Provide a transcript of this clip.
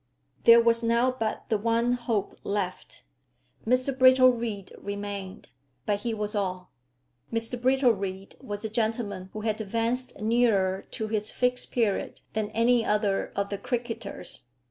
There was now but the one hope left. Mr Brittlereed remained, but he was all. Mr Brittlereed was a gentleman who had advanced nearer to his Fixed Period than any other of the cricketers.